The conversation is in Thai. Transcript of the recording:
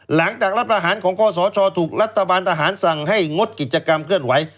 หลังจากรับประหารของข้อสชถูกรัฐบาลทหารสั่งให้งดกิจกรรมเคลื่อนไหว